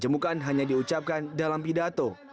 cemukaan hanya diucapkan dalam pidato